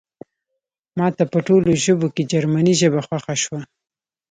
ماته په ټولو ژبو کې جرمني ژبه خوښه شوه